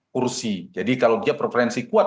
kursi jadi kalau dia preferensi kuat